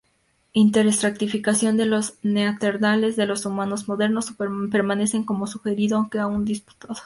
Inter-estratificación de los neandertales y los humanos modernos permanecen como sugerido, aunque aún disputados.